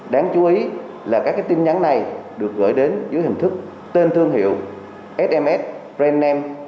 đáng chú ý là các tin nhắn này được gửi đến dưới hình thức tên thương hiệu sms brand name